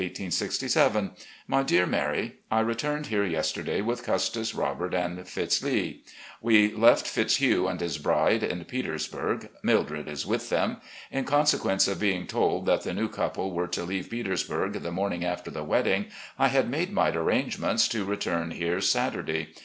" My Dear Mary: I returned here yesterday with Custis, Robert, and Fitz. Lee. We left Fitzhugh and his bride in Petersburg. Mildred is with them. In consequence of being told that the new couple were to leave Peters burg the morning after the wedding, I had made my arrangements to return here Saturday.